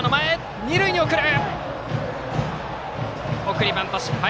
送りバント失敗。